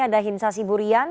ada hinsa siburian